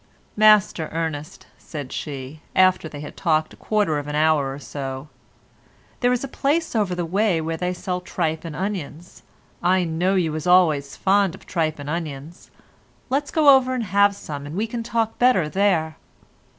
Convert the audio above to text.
"Master Ernest," said she, after they had talked for a quarter of an hour or so, "There's a place over the way where they sell tripe and onions. I know you was always very fond of tripe and onions, let's go over and have some, and we can talk better there."